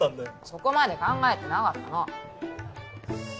そこまで考えてなかったの。